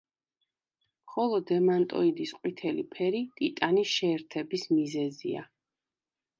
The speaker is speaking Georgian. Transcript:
ხოლო დემანტოიდის ყვითელი ფერი ტიტანის შეერთების მიზეზია.